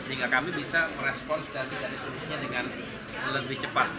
sehingga kami bisa merespons dan bisa resolusinya dengan lebih cepat